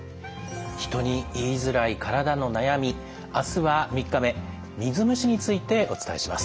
「人に言いづらい体の悩み」明日は３日目水虫についてお伝えします。